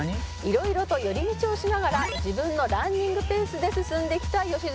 「色々と寄り道をしながら自分のランニングペースで進んできた良純さん」